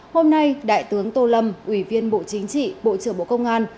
hôm nay đại tướng tô lâm ủy viên bộ chính trị bộ trưởng bộ công an